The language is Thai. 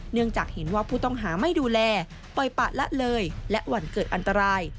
เนื่องจากเห็นว่าผู้ต้องหาไม่ดูแลปล่อยปะละเลยและหวั่นเกิดอันตราย